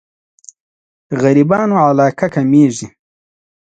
غريبانو علاقه کمېږي.